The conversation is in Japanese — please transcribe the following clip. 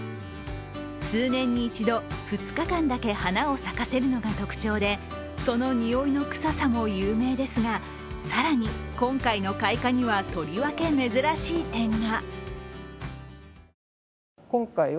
数年に１度、２日間だけ花を咲かせるのが特徴でそのにおいの臭さも有名ですが、更に、今回の開花にはとりわけ珍しい点が。